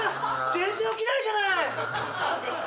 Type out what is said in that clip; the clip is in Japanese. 全然起きないじゃない。